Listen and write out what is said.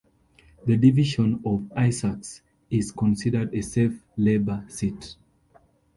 The Division of Isaacs is considered a safe Labor seat.